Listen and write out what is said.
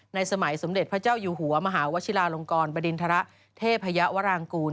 ในสมัยสมเด็จพระเจ้าอยู่หัวมหาวชิลาลงกรบรินทะละเทพพระเยาะวรรณกูล